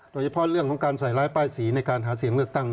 โดยเฉพาะเรื่องของการใส่ร้ายป้ายสีในการหาเสียงเลือกตั้ง